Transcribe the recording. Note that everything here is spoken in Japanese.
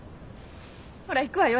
ほら行くわよ